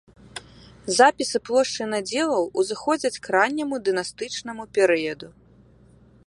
Запісы плошчы надзелаў узыходзяць к ранняму дынастычнаму перыяду.